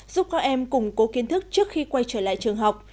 giúp các em củng cố kiến thức trước khi quay trở lại trường học